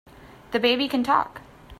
The baby can TALK!